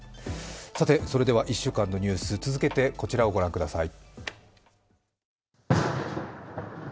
１週間のニュース、続けてこちらを御覧ください。